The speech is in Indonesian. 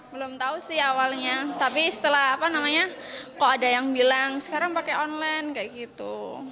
belum tahu sih awalnya tapi setelah apa namanya kok ada yang bilang sekarang pakai online kayak gitu